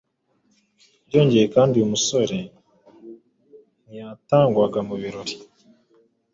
Byongeye kandi uyu musore ntiyatangwaga mu birori